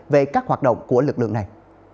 về các hoạt động của lực lượng này